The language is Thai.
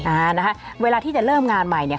อ่านะคะเวลาที่จะเริ่มงานใหม่เนี่ย